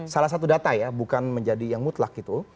salah satu data ya bukan menjadi yang mutlak gitu